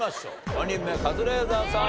５人目カズレーザーさん